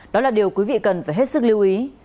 đó là điều quý vị cần phải hết sức lưu ý